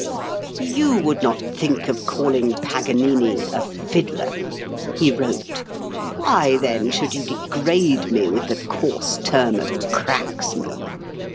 "You would not think of calling Paganini a 'fiddler,'" he wrote; "why, then, should you degrade me with the coarse term of 'cracksman'?